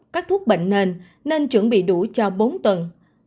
các thuốc bệnh nền nên chuẩn bị đủ cho bốn tuần